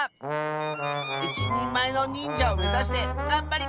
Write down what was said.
いちにんまえのにんじゃをめざしてがんばります！